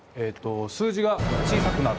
数字が小さくなる。